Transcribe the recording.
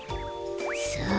さあ。